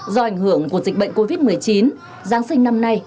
do ảnh hưởng của dịch bệnh covid một mươi chín giáng sinh năm nay